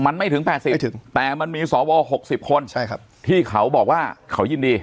มันไม่ถึง๘๐แต่มันมีสว๖๐คนที่เขาบอกว่าเขายินดี